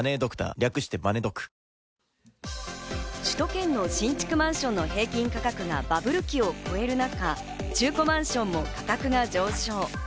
首都圏の新築マンションの平均価格がバブル期を超える中、中古マンションも価格が上昇。